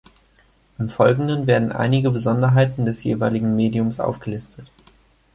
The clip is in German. Im Folgenden werden einige Besonderheiten des jeweiligen Mediums aufgelistet.